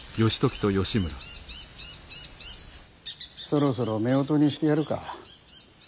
そろそろ夫婦にしてやるか。